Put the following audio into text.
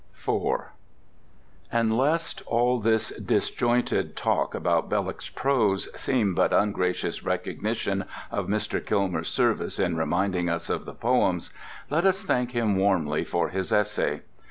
IV And lest all this disjointed talk about Belloc's prose seem but ungracious recognition of Mr. Kilmer's service in reminding us of the poems, let us thank him warmly for his essay.